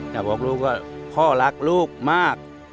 อยากบอกลูกว่าพ่อรักลูกมาก